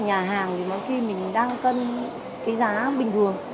nhà hàng thì có khi mình đang cân cái giá bình thường